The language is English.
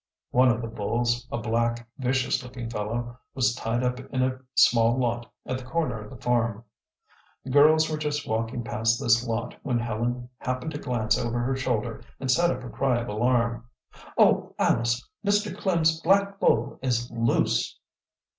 One of the bulls, a black, vicious looking fellow, was tied up in a small lot at the corner of the farm. The girls were just walking past this lot when Helen happened to glance over her shoulder and set up a cry of alarm. "Oh, Alice, Mr. Klem's black bull is loose!"